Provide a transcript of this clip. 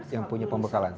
yang punya pembekalan